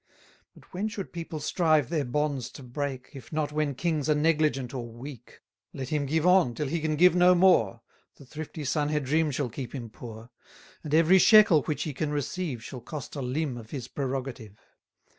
But when should people strive their bonds to break, If not when kings are negligent or weak? Let him give on till he can give no more, The thrifty Sanhedrim shall keep him poor; 390 And every shekel which he can receive, Shall cost a limb of his prerogative.